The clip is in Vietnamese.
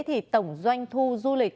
thì tổng doanh thu du lịch